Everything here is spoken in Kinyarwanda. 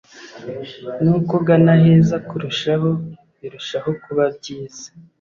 ni uko ugana aheza kurushaho, birushaho kuba byiza